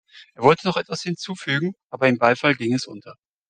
Er wollte noch etwas hinzufügen, aber im Beifall ging es unter.